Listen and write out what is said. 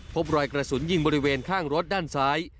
พบรอยกระสุนยิงบริเวณข้างรถด้านซ้าย